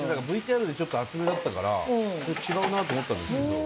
ＶＴＲでちょっと厚めだったから違うなと思ったんですけど。